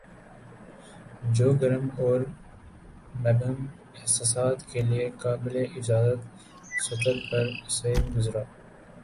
جو گرم اور مبہم احساسات کے لیے قابلِاجازت سطر پر سے گزرا